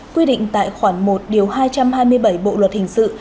quy định tại khoảng một hai trăm hai mươi bảy bộ luật hình sự